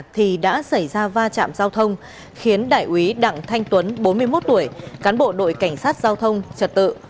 thì đã xảy ra va chạm giao thông khiến đại úy đặng thanh tuấn bốn mươi một tuổi cán bộ đội cảnh sát giao thông trật tự